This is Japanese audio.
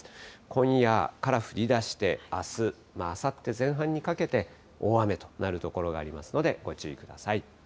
今夜から降りだして、あす、あさって前半にかけて、大雨となる所がありますので、ご注意ください。